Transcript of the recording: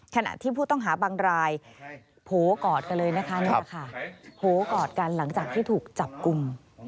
ขณะที่ผู้ต้องหาบังรายโผกอดกันเลยนะคะโผกอดกันหลังจากที่ถูกจับกุม